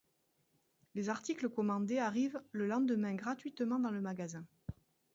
Les articles commandés arrivent le lendemain gratuitement dans le magasin.